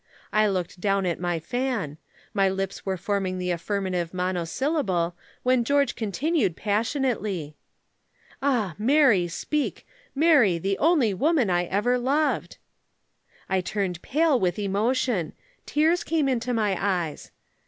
I looked down at my fan. My lips were forming the affirmative monosyllable, when George continued passionately, "'Ah, Mary, speak! Mary, the only woman I ever loved.' "I turned pale with emotion. Tears came into my eyes.